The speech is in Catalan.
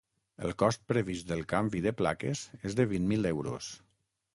El cost previst del canvi de plaques és de vint mil euros.